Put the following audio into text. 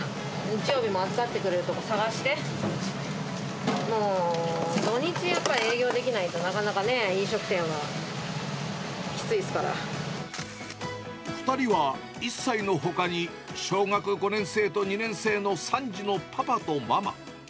日曜日も預かってくれるところ探して、もう、土日やっぱり営業できないと、なかなかね、飲食店は、２人は１歳のほかに、小学５年生と２年生の３児のパパとママ。